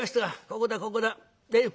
「ここだここだ。